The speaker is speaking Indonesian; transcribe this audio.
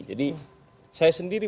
jadi saya sendiri